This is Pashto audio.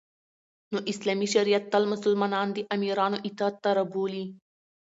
نو اسلامی شریعت تل مسلمانان د امیرانو اطاعت ته رابولی